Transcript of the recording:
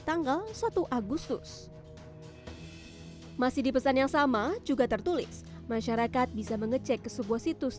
tanggal satu agustus masih dipesan yang sama juga tertulis masyarakat bisa mengecek ke sebuah situs